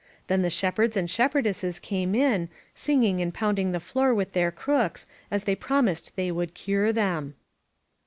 Then the shepherds and shepherdesses came in, sing ing and pounding the floor with their crooks, as they promised they would cure them.